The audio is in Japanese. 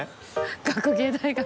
学芸大学。